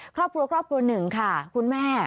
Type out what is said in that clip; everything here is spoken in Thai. ครอบครัวหนึ่งค่ะคุณแม่